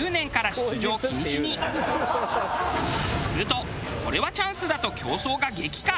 するとこれはチャンスだと競争が激化。